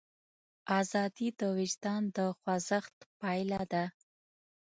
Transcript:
ازادي د وجدان د خوځښت پایله ده.